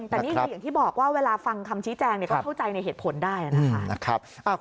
แต่นี่คืออย่างที่บอกว่าเวลาฟังคำชี้แจงก็เข้าใจในเหตุผลได้นะคะ